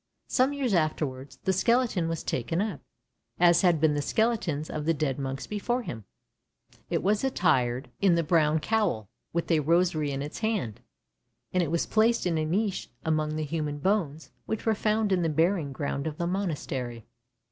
Some years afterwards the skeleton was taken up, as had been the skeletons of the dead monks before him; it was attired in the brown cowl, with a rosary in its hand, and it was placed in a niche among the human bones which were found in the burying ground of the monastery.